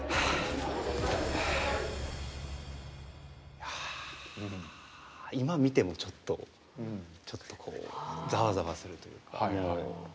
いやああ今見てもちょっとちょっとこうザワザワするというか。